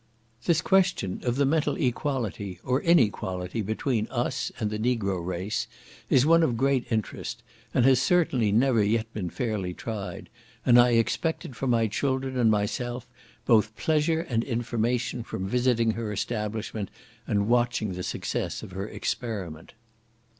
This question of the mental equality, or inequality between us, and the Negro race, is one of great interest, and has certainly never yet been fairly tried; and I expected for my children and myself both pleasure and information from visiting her establishment, and watching the success of her experiment.